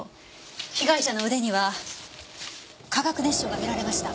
被害者の腕には化学熱傷が見られました。